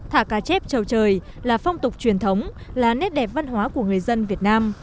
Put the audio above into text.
thả cá chép trầu trời là phong tục truyền thống là nét đẹp văn hóa của người dân việt nam